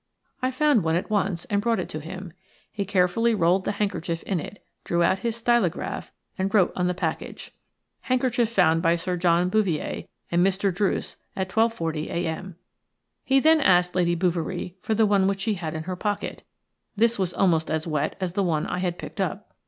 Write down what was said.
I found one at once and brought it to him. He carefully rolled the handkerchief in it, drew out his stylograph, and wrote on the package:– "Handkerchief found by Sir John Bouverie and Mr. Druce at 12.40 a.m." He then asked Lady Bouverie for the one which she had in her pocket; this was almost as wet as the one I had picked up.